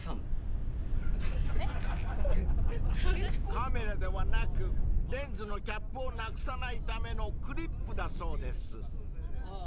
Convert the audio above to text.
［カメラではなくレンズのキャップをなくさないためのクリップだそうです］